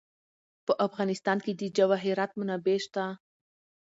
په افغانستان کې د جواهرات منابع شته.